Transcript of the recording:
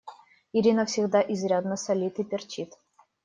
Ирина всегда изрядно солит и перчит.